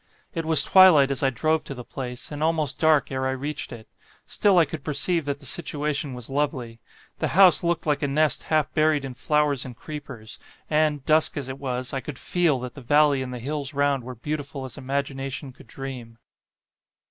It was twilight as I drove to the place, and almost dark ere I reached it; still I could perceive that the situation was lovely. The house looked like a nest half buried in flowers and creepers: and, dusk as it was, I could FEEL that the valley and the hills round were beautiful as imagination could dream."